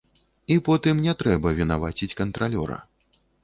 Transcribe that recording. І потым не трэба вінаваціць кантралёра.